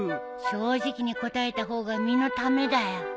正直に答えた方が身のためだよ。